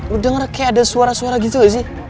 lu denger kayak ada suara suara gitu gak sih